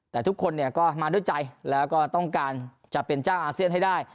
แต่ทุกคนเนี่ยก็มาด้วยใจแล้วก็ต้องการจะเป็นเจ้าอาเซียนให้ได้